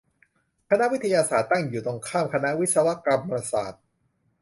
คณะวิทยาศาสตร์ ตั้งอยู่ตรงข้ามคณะวิศวกรรมศาสตร์